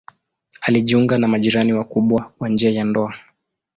Alijiunga na majirani wakubwa kwa njia ya ndoa.